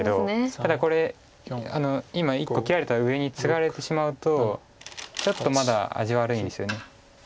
ただこれ今１個切られた上にツガれてしまうとちょっとまだ味悪いんですよね。